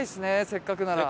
せっかくなら。